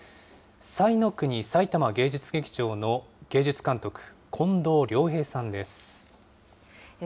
彩の国さいたま芸術劇場の芸術監督、近藤良平さんです。